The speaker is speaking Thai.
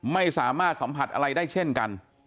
ไม่สามารถสัมผัสอะไรได้เช่นกัน